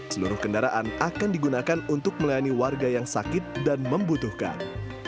seluruh kendaraan akan digunakan untuk melayani warga yang sakit dan membutuhkan